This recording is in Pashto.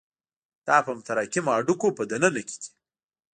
دا په متراکمو هډوکو په دننه کې دي.